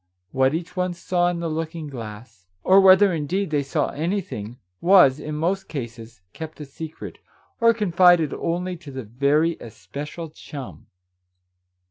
What each one saw in the looking glass, or whether, indeed, they saw anything, was, in most cases, kept a secret, or confided only to the very especial chum